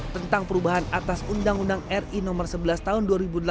tentang perubahan atas undang undang ri no sebelas tahun dua ribu delapan